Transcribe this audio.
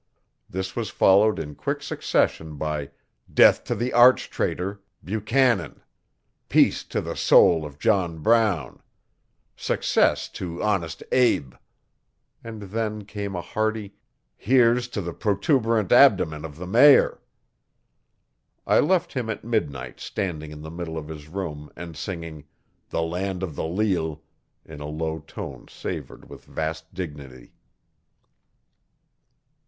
This was followed in quick succession by 'death to the arch traitor, Buchanan'; 'peace to the soul of John Brown'; 'success to Honest Abe' and then came a hearty 'here's to the protuberant abdomen of the Mayor'. I left him at midnight standing in the middle of his room and singing 'The Land o' the Leal' in a low tone savoured with vast dignity.